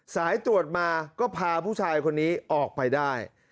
สายตรวจมาก็พาผู้ชายคนนี้ออกไปได้